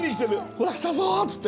ほら来たぞっつって。